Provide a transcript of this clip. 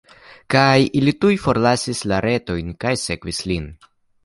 Kaj ili tuj forlasis la retojn, kaj sekvis lin.